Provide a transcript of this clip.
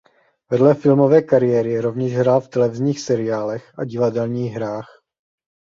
Vedle filmové kariéry rovněž hrál v televizních seriálech a divadelních hrách.